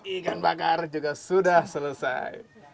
ikan bakar juga sudah selesai